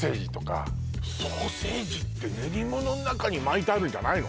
ソーセージって練り物の中に巻いてあるんじゃないの？